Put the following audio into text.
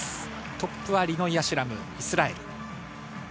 トップはリノイ・アシュラム、イスラエル。